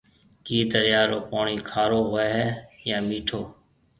ڪِي دريا رو پوڻِي کارو هوئي هيَ يان مِٺو؟